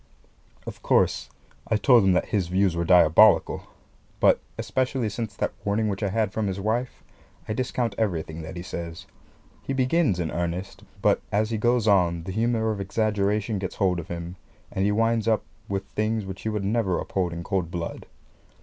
Of course, I told him that his views were diabolical; but, especially since that warning which I had from his wife, I discount everything that he says. He begins in earnest; but as he goes on the humour of exaggeration gets hold of him, and he winds up with things which he would never uphold in cold blood.